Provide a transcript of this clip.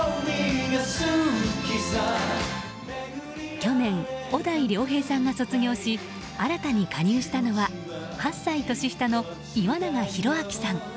去年、小田井涼平さんが卒業し新たに加入したのは８歳年下の岩永洋昭さん。